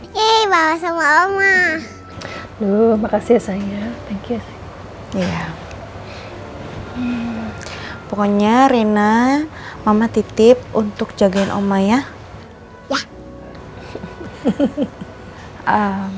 iya makasih ya sayang ya ya pokoknya rina mama titip untuk jagain oma ya ya